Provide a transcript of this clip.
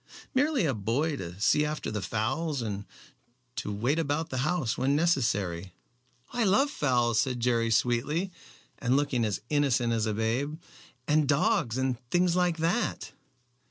"Merely a boy to see after the fowls, and to wait about the house when necessary." "I love fowls," said Jerry sweetly, and looking as innocent as a babe, "and dogs and things like that."